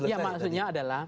ya maksudnya adalah